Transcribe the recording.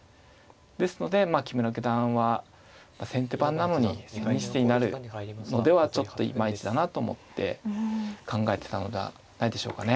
ですので木村九段は先手番なのに千日手になるのではちょっといまいちだなと思って考えてたのではないでしょうかね。